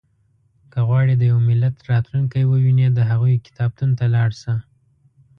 • که غواړې د یو ملت راتلونکی ووینې، د هغوی کتابتون ته لاړ شه.